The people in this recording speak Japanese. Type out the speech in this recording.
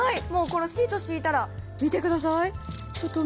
シートを敷いたら、見てください！